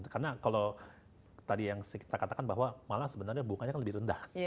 karena kalau tadi yang kita katakan bahwa malah sebenarnya bunganya lebih rendah